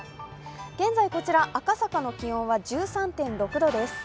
現在、こちら、赤坂の気温は１３．６度です。